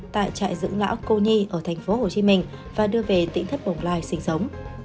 tại trại dưỡng lão cô nhi ở tp hcm và đưa về tỉnh thất bồng lai sinh sống